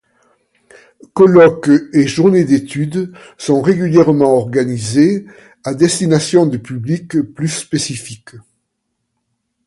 Colloques et journées d'études sont régulièrement organisés à destination de publics plus spécifiques.